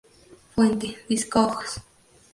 Fuente: Discogs.